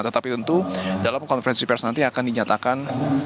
tetapi tentu dalam konferensi pers nanti akan dinyatakan